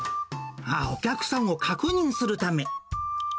あー、お客さんを確認するため。